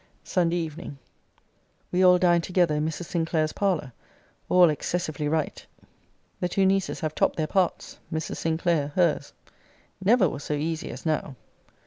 SUNDAY EVENING. We all dined together in Mrs. Sinclair's parlour: All excessively right! The two nieces have topped their parts Mrs. Sinclair her's. Never was so easy as now!